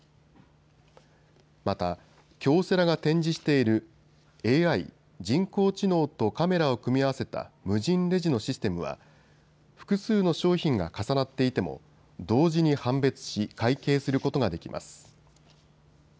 また京セラが展示しているＡＩ・人工知能とカメラを組み合わせた無人レジのシステムは複数の商品が重なっていても同時に判別し会計することができます。